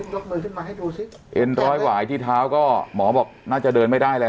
ยกมือขึ้นมาให้ดูสิเอ็นร้อยหวายที่เท้าก็หมอบอกน่าจะเดินไม่ได้แล้ว